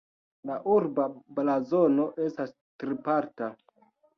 La urba blazono estas triparta.